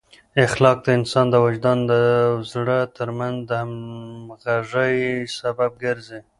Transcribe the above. اخلاق د انسان د وجدان او زړه ترمنځ د همغږۍ سبب ګرځي.